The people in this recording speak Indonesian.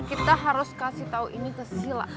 kita harus kasih tahu ini ke sila